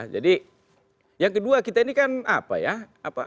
yang kedua kita ini kan apa ya